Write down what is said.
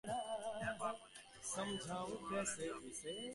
Their purpose is to reduce sprawl and traffic.